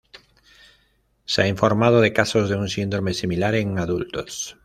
Se ha informado de casos de un síndrome similar en adultos.